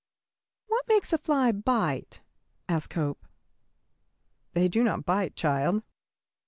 "What makes a fly bite?" asked Hope. "They do not bite, child.